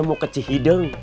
mau beli rotan